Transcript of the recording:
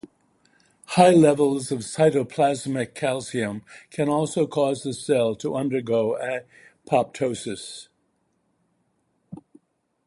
High levels of cytoplasmic calcium can also cause the cell to undergo apoptosis.